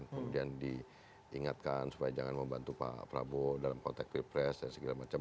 kemudian diingatkan supaya jangan membantu pak prabowo dalam konteks pilpres dan segala macam